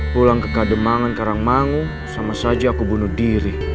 pulang ke kademangan karangmangu sama saja aku bunuh diri